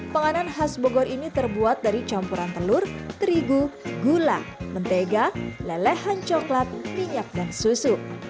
penganan khas bogor ini terbuat dari campuran telur terigu gula mentega lelehan coklat minyak dan susu